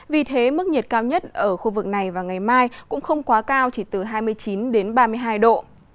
vì thế mức nhiệt cao nhất ở khu vực này vào ngày mai cũng không quá cao chỉ từ hai mươi chín đến ba mươi hai độ